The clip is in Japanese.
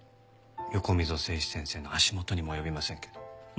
横溝正史先生の足元にも及びませんけど。